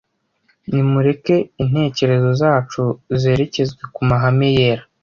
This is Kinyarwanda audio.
Nimureke intekerezo zacu zerekezwe ku mahame yera